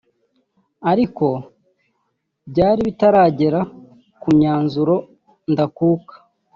ariko byari bitaragera ku myanzuro ndakuka